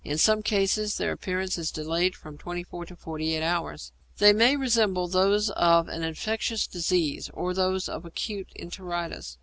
In some cases their appearance is delayed from twenty four to forty eight hours. They may resemble those of an infectious disease or those of acute enteritis.